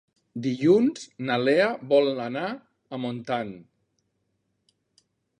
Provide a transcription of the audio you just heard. Dilluns na Lea vol anar a Montant.